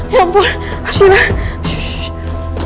ya ampun arshila shhh